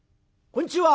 こんちは！」。